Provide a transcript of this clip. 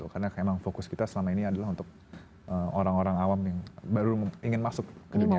karena memang fokus kita selama ini adalah untuk orang orang awam yang baru ingin masuk ke dunia